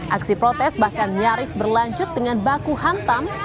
aksi protes bahkan nyaris berlanjut dengan baku hantam